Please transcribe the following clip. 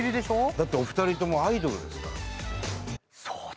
だってお二人ともアイドルですから。